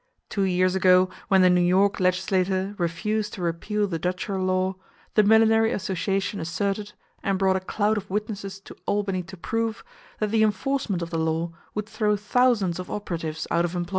Two years ago, when the New York legislature refused to repeal the Dutcher law, the Millinery Association asserted, and brought a cloud of witnesses to Albany to prove, that the enforcement of the law would throw thousands of operatives out of employment.